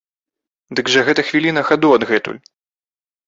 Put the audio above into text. Дык жа гэта хвіліна хаду адгэтуль!